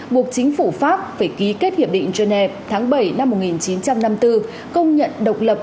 buộc chính phủ pháp phải ký kết hiệp định geneva tháng bảy năm một nghìn chín trăm năm mươi bốn công nhận độc lập